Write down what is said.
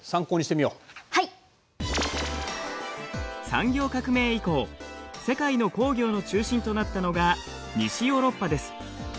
産業革命以降世界の工業の中心となったのが西ヨーロッパです。